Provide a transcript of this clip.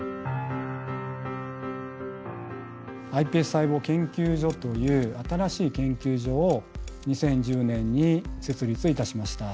ｉＰＳ細胞研究所という新しい研究所を２０１０年に設立いたしました。